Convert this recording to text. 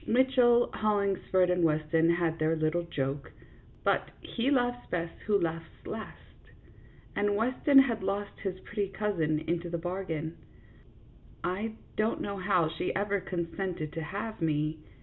Mitchell, Hollings ford, and Weston had their little joke; but "he laughs best who laughs last," and Weston has lost his pretty cousin into the bargain. I don't know how she ever consented to have me.